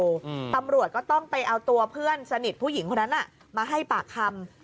อืมตำรวจก็ต้องไปเอาตัวเพื่อนสนิทผู้หญิงคนนั้นอ่ะมาให้ปากคำ